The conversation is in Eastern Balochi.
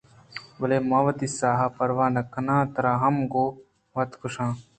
بلے من وتی ساہ ءِ پرواہ ءَ نہ کنان ءُ ترا ہم گوں وت کُشاں